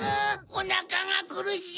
おなかがくるしい！